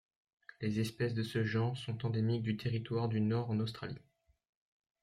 Les espèces de ce genre sont endémiques du Territoire du Nord en Australie.